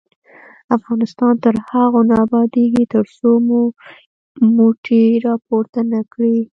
افغانستان تر هغو نه ابادیږي، ترڅو مو مټې راپورته نه کړي.